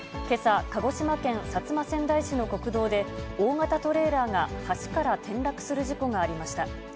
けさ、鹿児島県薩摩川内市の国道で、大型トレーラーが橋から転落する事故がありました。